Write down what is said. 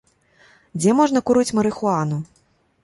Дзе можна курыць марыхуану?